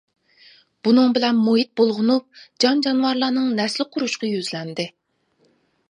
بۇنىڭ بىلەن مۇھىت بۇلغىنىپ، جان-جانىۋارلارنىڭ نەسلى قۇرۇشقا يۈزلەندى.